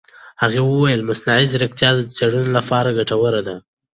هغې وویل مصنوعي ځیرکتیا د څېړنو لپاره ګټوره ده.